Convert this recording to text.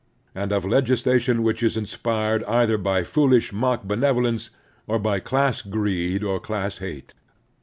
8X2 The Strenuous Life and of legislation which is inspired either by foolish mock benevolence or by class greed or class hate.